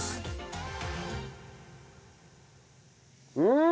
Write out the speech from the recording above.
うん！